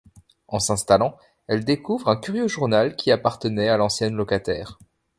En s'installant, elle découvre un curieux journal qui appartenait à l'ancienne locataire.